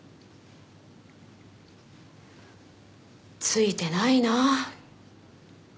ついてないな。